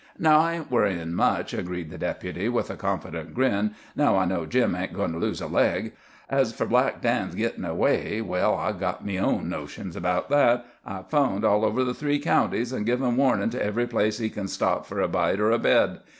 "No, I ain't worryin' much," agreed the Deputy, with a confident grin, "now I know Jim ain't goin' to lose a leg. As for Black Dan's gittin' away, well, I've got me own notions about that. I've 'phoned all over the three counties, and given warnin' to every place he kin stop for a bite or a bed.